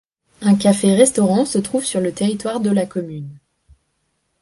Un café-restaurant se trouve sur le territoire de la commune.